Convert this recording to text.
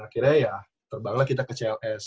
dan akhirnya ya terbanglah kita ke cls